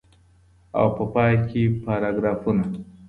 او په پای کي پاراګرافونه.